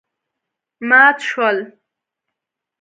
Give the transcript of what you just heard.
مات شول.